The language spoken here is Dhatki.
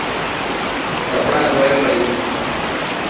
ڪپڙا ڌوئي پئي.